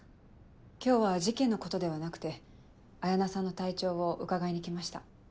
今日は事件のことではなくて彩菜さんの体調を伺いに来ました。